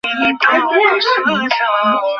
যে যাকে ভালবাসে সে তার কাছে যেতে পারে।